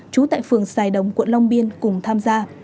trú tại phường sài đồng quận long biên cùng tham gia